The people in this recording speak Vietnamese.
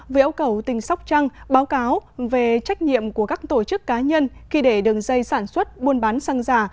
với ảo cầu tình sóc trăng báo cáo về trách nhiệm của các tổ chức cá nhân khi để đường dây sản xuất buôn bán xăng giả